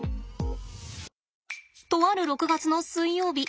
とある６月の水曜日